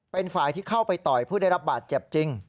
เป็นฝ่ายที่เข้าไปต่อยผู้ได้รับบาดเจ็บจริง